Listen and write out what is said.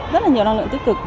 rất là nhiều lăng lượng tích cực